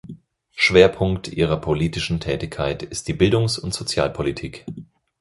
Schwerpunkt ihrer politischen Tätigkeit ist die Bildungs- und Sozialpolitik.